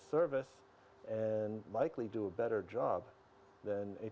pendidikan sekolah kelas saya